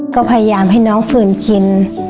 ก็พยายามให้น้องฝืนกิน